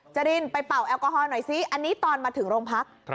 จรินไปเป่าแอลกอฮอลหน่อยซิอันนี้ตอนมาถึงโรงพัก